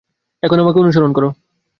এখন আমাকে অনুসরণ কর।